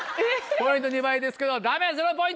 ポイント２倍ですけどダメ０ポイント！